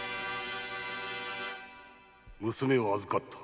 「娘を預かった。